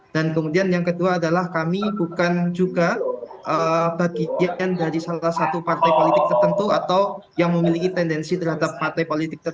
dan kemudian yang kedua adalah kami bukan juga bagian dari salah satu partai politik tertentu atau yang memiliki tendensi terhadap partai politik tertentu